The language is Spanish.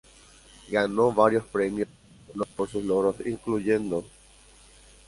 Ganó varios premios y títulos por sus logros, incluyendo